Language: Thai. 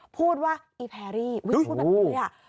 พูดว่าอีแพรรี่พูดแบบนี้